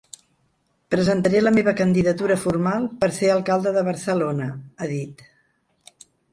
Presentaré la meva candidatura formal per ser alcalde de Barcelona, ha dit.